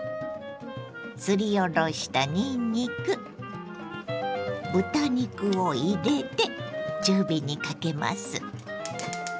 すりおろしたにんにく豚肉を入れて中火にかけます。